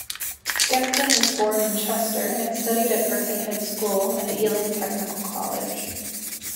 Skempton was born in Chester and studied at Birkenhead School and Ealing Technical College.